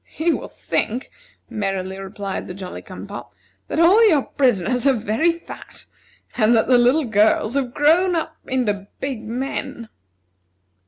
"He will think," merrily replied the Jolly cum pop, "that all your prisoners are very fat, and that the little girls have grown up into big men."